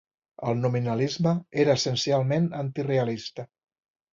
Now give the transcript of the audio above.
El nominalisme era essencialment anti-Realista.